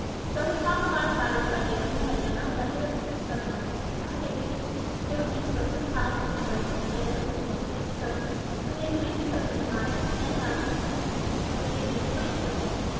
So he compromised matters by giving him a general letter of recommendation, in which he spoke of his talents and his blameless manners as warmly as he could, from the experience of the nine or ten months during which he had been acquainted with him.